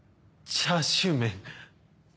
チャーシューメン？